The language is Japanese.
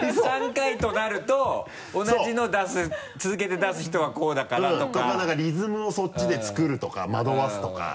３回となると同じの続けて出す人はこうだからとか。とか何かリズムをそっちで作るとか惑わすとか。